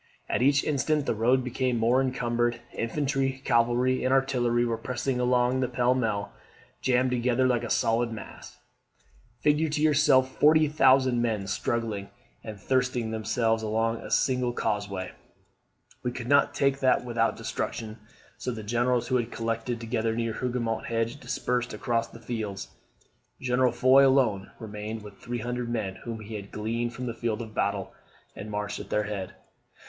At each instant the road became more encumbered. Infantry, cavalry, and artillery, were pressing along pell mell: jammed together like a solid mass. Figure to yourself 40,000 men struggling and thrusting themselves along a single causeway. We could not take that way without destruction; so the generals who had collected together near the Hougoumont hedge dispersed across the fields. General Foy alone remained with the 300 men whom he had gleaned from the field of battle, and marched at their head.